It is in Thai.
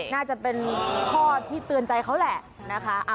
น่าจะเป็นข้อที่เตือนใจเขาแหละนะคะ